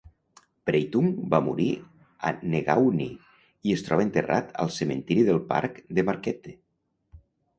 Breitung va morir a Negaunee i es troba enterrat al cementiri del parc de Marquette.